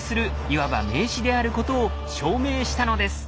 いわば名詞であることを証明したのです。